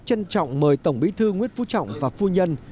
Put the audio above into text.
trân trọng mời tổng bí thư nguyễn phú trọng và phu nhân